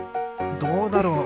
どうだろう？